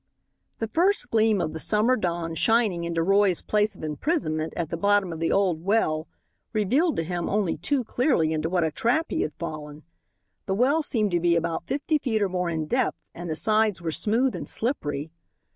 The first gleam of the summer dawn shining into Roy's place of imprisonment at the bottom of the old well revealed to him only too clearly into what a trap he had fallen. The well seemed to be about fifty feet or more in depth, and the sides were smooth and slippery.